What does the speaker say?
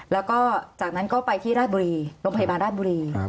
แล้วก็จากนั้นก็ไปที่ราชบุรีโรงพยาบาลราชบุรี